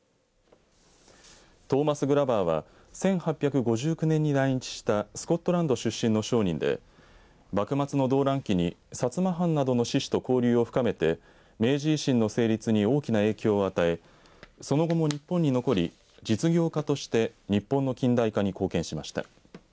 トーマス・グラバーは１８５９年に来日したスコットランド出身の商人で幕末の動乱期に薩摩藩などの志士と交流を深めて明治維新の成立に大きな影響を与えその後も日本に残り実業家として日本の近代化に貢献しました。